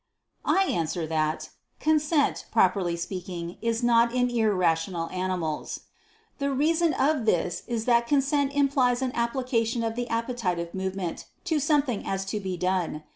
I answer that, Consent, properly speaking, is not in irrational animals. The reason of this is that consent implies an application of the appetitive movement to something as to be done.